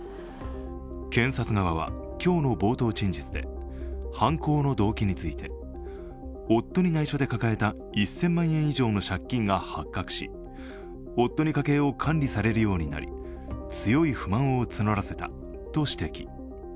検察側は今日の冒頭陳述で、犯行の動機について、夫にないしょで抱えた１０００万円以上の借金が発覚し夫に家計を管理されるようになり強い不満を募らせたと指摘。